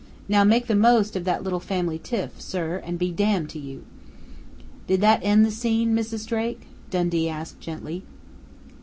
Now make the most of that little family tiff, sir and be damned to you!" "Did that end the scene, Mrs. Drake?" Dundee asked gently.